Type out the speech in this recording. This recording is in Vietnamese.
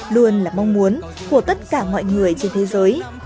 luôn là mong muốn của tất cả mọi người trên thế giới